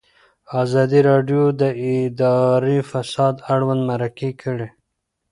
ازادي راډیو د اداري فساد اړوند مرکې کړي.